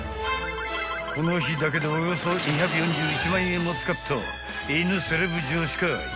［この日だけでおよそ２４１万円も使った犬セレブ女子会］